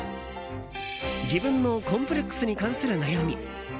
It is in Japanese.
自分のコンプレックスに関する悩み